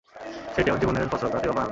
সেইটে ওর জীবনের ফসল, তাতেই ও পায় আনন্দ।